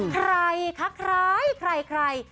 ใครคะใครไง